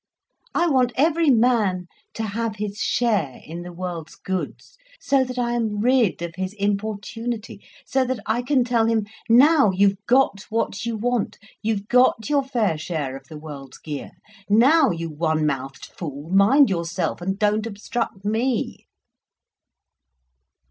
I want every man to have his share in the world's goods, so that I am rid of his importunity, so that I can tell him: 'Now you've got what you want—you've got your fair share of the world's gear. Now, you one mouthed fool, mind yourself and don't obstruct me.